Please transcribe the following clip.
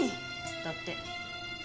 だって。